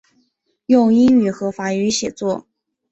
用英语和法语写作。